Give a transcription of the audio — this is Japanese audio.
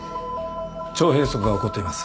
腸閉塞が起こっています。